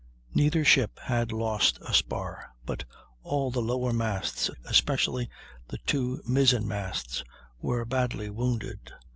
Neither ship had lost a spar, but all the lower masts, especially the two mizzen masts, were badly wounded.